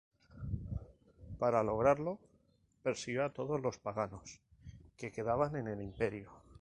Para lograrlo, persiguió a todos los paganos que quedaban en el imperio.